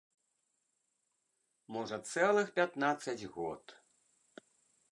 Можа, цэлых пятнаццаць год!